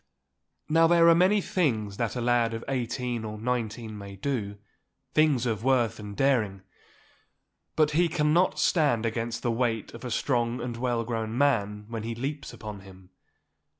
Now there are many things that a lad of eighteen or nineteen may do—things of worth and daring—but he cannot stand against the weight of a strong and well grown man when he leaps upon him.